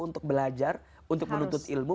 untuk belajar untuk menuntut ilmu